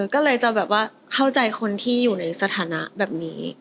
ก็เลยจะแบบว่าเข้าใจคนที่อยู่ในสถานะแบบนี้